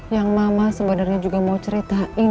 yang mama sebenarnya juga mau ceritain